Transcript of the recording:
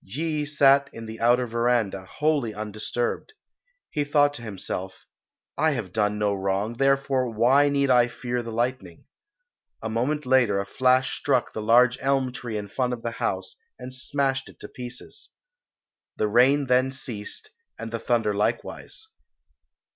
Yee sat in the outer verandah, wholly undisturbed. He thought to himself, "I have done no wrong, therefore why need I fear the lightning?" A moment later a flash struck the large elm tree in front of the house and smashed it to pieces. The rain then ceased and the thunder likewise.